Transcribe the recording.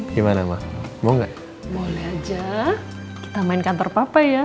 gimana mbak mau nggak boleh aja kita main kantor papa ya